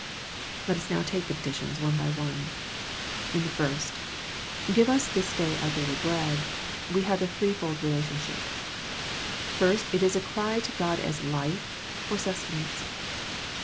Let us now take the petitions one by one. In the first, " Give us this day our daily bread," we have the threefold relationship. First, it is a cry to God as " Life " for sustenance.